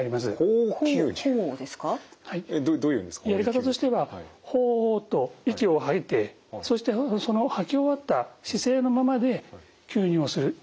やり方としては「ホー」と息を吐いてそしてその吐き終わった姿勢のままで吸入をする。